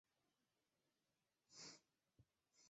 都有为登场要角配音。